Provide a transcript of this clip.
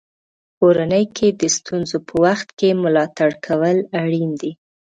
په کورنۍ کې د ستونزو په وخت کې ملاتړ کول اړین دي.